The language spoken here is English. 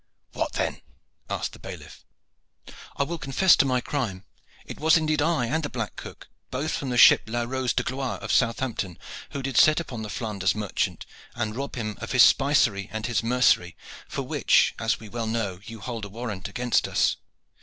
"What then?" asked the bailiff. "I will confess to my crime. It was indeed I and the black cook, both from the ship 'La Rose de Gloire,' of Southampton, who did set upon the Flanders merchant and rob him of his spicery and his mercery, for which, as we well know, you hold a warrant against us."